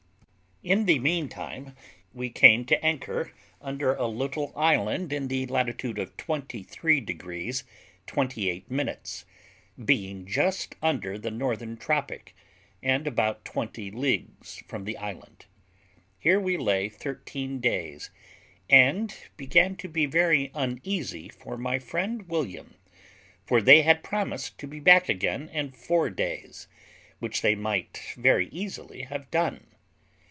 In the meantime, we came to an anchor under a little island in the latitude of 23 degrees 28 minutes, being just under the northern tropic, and about twenty leagues from the island. Here we lay thirteen days, and began to be very uneasy for my friend William, for they had promised to be back again in four days, which they might very easily have done.